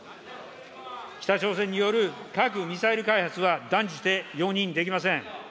北朝鮮による核、ミサイル開発は、断じて容認できません。